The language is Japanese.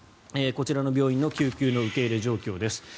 こちらの病院の救急の受け入れ状況です。